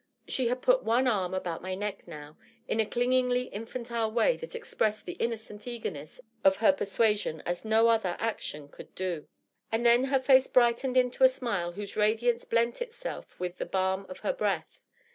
She had put one arm about my neck, now, in a clingingly infantile way that expressed the innocent eagerness of her persuasion as no other action could do. And then her fitce brightened into a smile whose radiance blent itself with the balm of her breath.